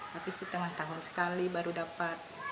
tapi setengah tahun sekali baru dapat